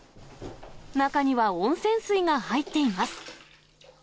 中には温泉水が入っています。